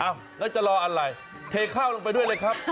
แล้วจะรออะไรเทข้าวลงไปด้วยเลยครับ